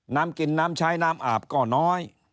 น้ำกินน้ำใช้น้ำอาบก็น้อย